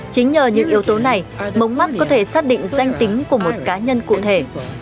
chính nhờ những yếu tố này mống mắt có thể xác định danh tính của một cá nhân cụ thể